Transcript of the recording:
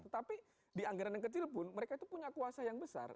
tetapi di anggaran yang kecil pun mereka itu punya kuasa yang besar